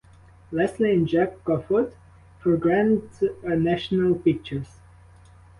Leslie and Jack Kofoed for Grand National Pictures.